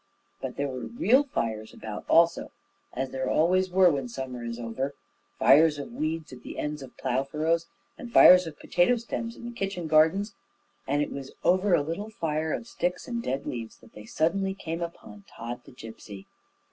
But there were real fires about also, as there always are when summer is over fires of weeds at the ends of the plough furrows, and fires of potato stems in the kitchen gardens; and it was over a little fire of sticks and dead leaves that they suddenly came upon Tod the Gipsy.